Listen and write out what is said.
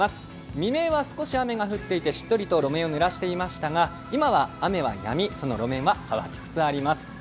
未明は少し雨が降っていてしっとりと路面をぬらしていましたが今は雨はやみ、その路面は乾きつつあります。